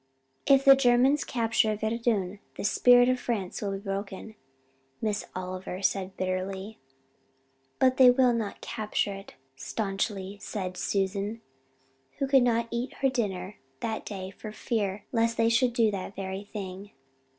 "If the Germans capture Verdun the spirit of France will be broken," Miss Oliver said bitterly. "But they will not capture it," staunchly said Susan, who could not eat her dinner that day for fear lest they do that very thing.